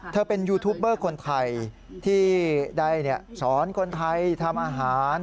เป็นยูทูปเบอร์คนไทยที่ได้สอนคนไทยทำอาหาร